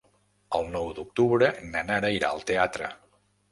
El nou d'octubre na Nara irà al teatre.